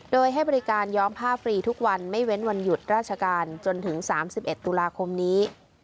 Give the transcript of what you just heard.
โดยให้บริการย้อมผ้าฟรีทุกวันไม่เว้นวันหยุดราชการจนถึง๓๑ตุลาคมนี้